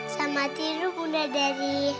selamat tidur buddha dari